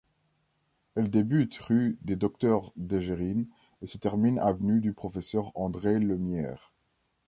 Elle débute rue des Docteurs-Déjérine et se termine avenue du Professeur-André-Lemierre.